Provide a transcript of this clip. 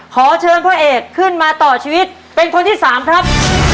ขอเชิญพ่อเอกขึ้นมาต่อชีวิตเป็นคนที่สามครับ